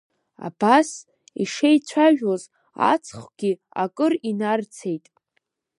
Абас ишеицәажәоз аҵхгьы акыр инарцеит.